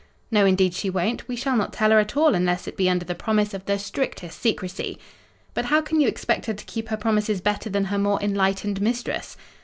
"No, indeed, she won't. We shall not tell her at all, unless it be under the promise of the strictest secrecy." "But how can you expect her to keep her promises better than her more enlightened mistress?"